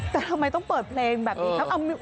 แต่ทำไมต้องเปิดเพลงแบบนี้ครับ